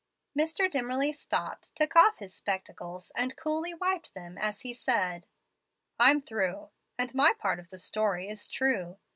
Mr. Dimmerly stopped, took off his spectacles, and coolly wiped them as he said: "I'm through, and my part of the story is true.